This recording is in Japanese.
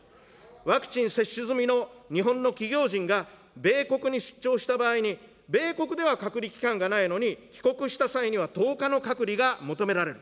ワクチン接種済みの日本の企業人が、米国に出張した場合に、米国では隔離期間がないのに帰国した際には、１０日の隔離が求められる。